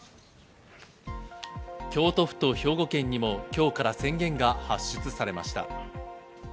京都府と兵庫県にも、今日から宣言が発出されました。